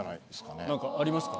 何かありますか？